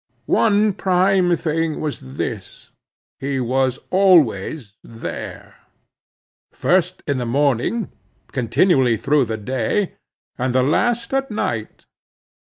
One prime thing was this,—he was always there;—first in the morning, continually through the day, and the last at night.